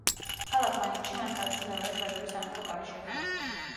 ქალაქ მაინცში მან თავისი მეორე შვედური სამეფო კარი შექმნა.